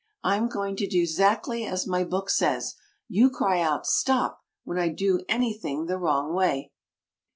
I'm going to do 'xactly as my book says you cry out, 'Stop!' when I do anything the wrong way."